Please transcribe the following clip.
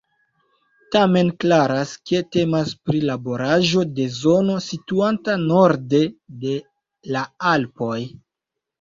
Tamen klaras ke temas pri laboraĵo de zono situanta norde de la Alpoj.